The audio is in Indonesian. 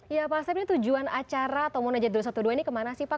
ya pak asep ini tujuan acara atau munajat dua ratus dua belas ini kemana sih pak